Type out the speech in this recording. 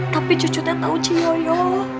tapi cucu teh tau ci yoyo